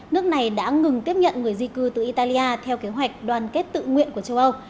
nước này đã ngừng tiếp nhận người di cư từ italia theo kế hoạch đoàn kết tự nguyện của châu âu